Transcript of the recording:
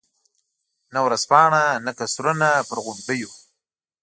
نه ورځپاڼه، نه قصرونه پر غونډیو.